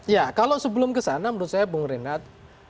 ya kalau sebelum kesana menurut saya bung renat